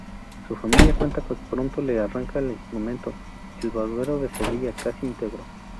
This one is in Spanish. Su familia cuenta que pronto le arrancaba al instrumento "El Barbero de Sevilla"casi íntegro.